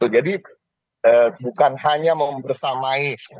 jadi bukan hanya mempersamai